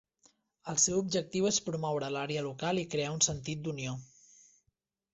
El seu objectiu és promoure l'àrea local i crear un sentit d'unió.